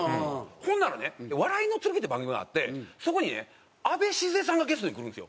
ほんならね『笑いの剣』って番組があってそこにねあべ静江さんがゲストに来るんですよ。